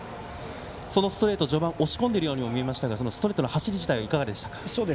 そのストレート、序盤押し込んでいたようにも見えましたがストレートの走り自体はいかがでしたか。